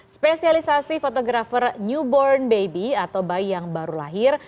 spesialisasi fotografer newborn baby atau bayi yang baru lahir